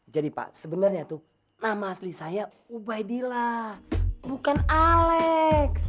jadi pak sebenarnya tuh nama asli saya ubaidillah bukan alex